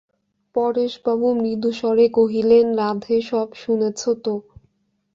পরেশবাবু মৃদুস্বরে কহিলেন, রাধে, সব শুনেছ তো?